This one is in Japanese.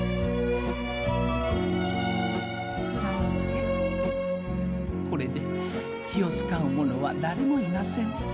「内蔵助これで気を使うものは誰もいません。